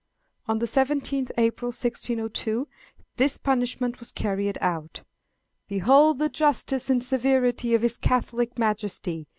On the 17th April, 1602, this punishment was carried out. "Behold the justice and severity of his Catholic Majesty!